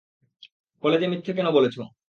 কলেজে মিথ্যা কেন বলেছ?